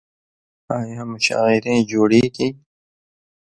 آیا مشاعرې جوړیږي؟